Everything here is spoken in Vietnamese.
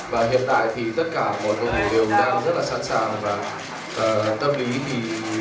và hiện tại thì tất cả mọi người đều đang rất là sẵn sàng và tâm lý thì